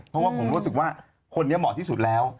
เพราะว่าผมรู้สึกว่าคนนี้เหมาะที่สุดแล้ว